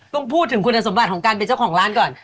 ต้องพูดถึงคุณสมบัติของการเป็นเจ้าของร้านก่อน